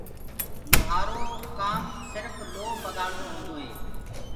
لوهآرو ڪآم سرڦ لوه پگآݪوو هوندوئي